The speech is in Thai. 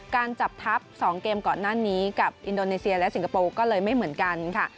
การจับทัพ๒เกมก่อนหน้านี้กับอินโดนีเซียและสิงคโปร์ก็เลยไม่เหมือนกันค่ะ